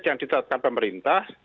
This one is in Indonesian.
yang ditetapkan pemerintah